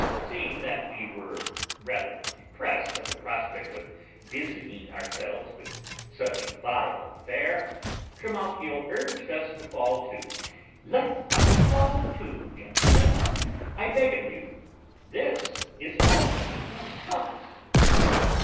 Seeing that we were rather depressed at the prospect of busying ourselves with such vile fare, Trimalchio urged us to fall to: "Let us fall to, gentlemen, I beg of you, this is only the sauce!"